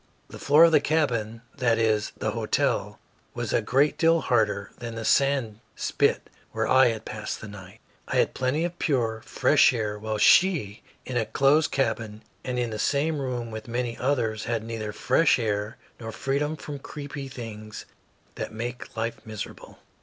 The floor of the cabin that is, the hotel was a great deal harder than the sand spit where I had passed the night. I had plenty of pure, fresh air, while she, in a closed cabin and in the same room with many others, had neither fresh air nor freedom from creeping things that make life miserable.